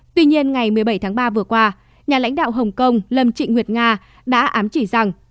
tuy nhiên ngày một mươi bảy tháng ba vừa qua nhà lãnh đạo hồng kông lâm trịnh nguyệt nga đã ám chỉ rằng